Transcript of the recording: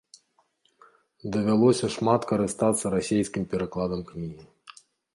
Давялося шмат карыстацца расійскім перакладам кнігі.